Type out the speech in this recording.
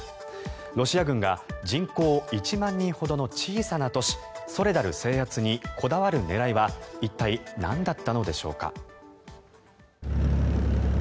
ロシア軍が人口１万人ほどの小さな都市ソレダル制圧にこだわる狙いは一体、なんだったのでしょうか。